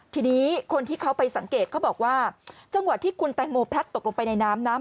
ทีนี้คนที่เขาไปสังเกตเขาบอกว่าจังหวะที่คุณแตงโมพลัดตกลงไปในน้ำน้ำ